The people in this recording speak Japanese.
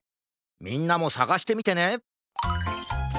みんなもさがしてみてね！